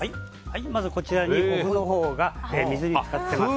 まずこちらにお麩のほうが水に浸かっています。